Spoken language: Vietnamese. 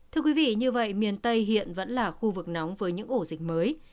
thưa quý vị như vậy miền tây hiện vẫn là khu vực nóng với những ổ dịch mới